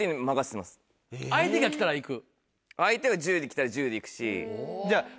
相手がきたらいく？